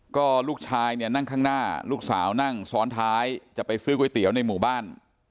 ก็ลูกชายเนี่ยนั่งข้างหน้าลูกสาวนั่งซ้อนท้ายจะไปซื้อก๋วยเตี๋ยวในหมู่บ้าน